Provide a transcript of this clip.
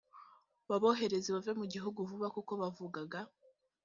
babohereze bave mu gihugu vuba kuko bavugaga